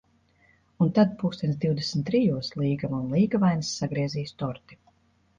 Un tad, pulkstens divdesmit trijos, līgava un līgavainis sagriezīs torti.